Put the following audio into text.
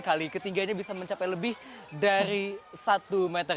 ketinggiannya bisa mencapai lebih dari satu meter